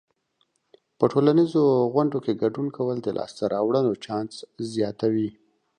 په ټولنیزو غونډو کې ګډون کول د لاسته راوړنو چانس زیاتوي.